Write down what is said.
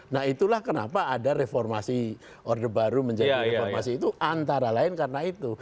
nah itulah kenapa ada reformasi orde baru menjadi reformasi itu antara lain karena itu